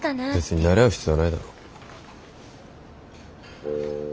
別になれ合う必要はないだろ。